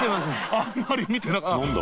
あんまり見てなかった。